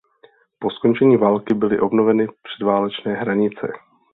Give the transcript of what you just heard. Po skončení války byly obnoveny předválečné hranice.